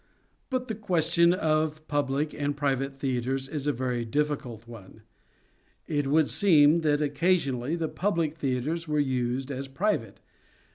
But the question of public and private theatres is a very difficult one. It would seem that occasionally the public theatres were used as private.